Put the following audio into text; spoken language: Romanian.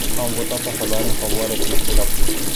Am votat, așadar, în favoarea acestui raport.